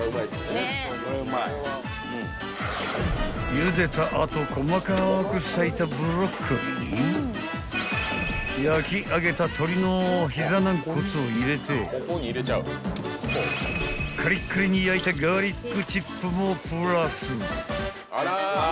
［ゆでた後細かくさいたブロッコリーに焼き上げた鶏の膝ナンコツを入れてカリッカリに焼いたガーリックチップもプラス］